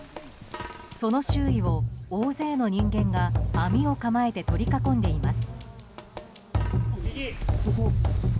その周囲を大勢の人間が網を構えて取り囲んでいます。